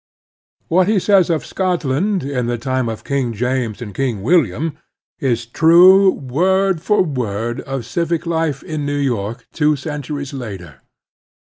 What he says of Scotland in the time of Eling James and King William is true, word for word, of civic life in New York two centimes later.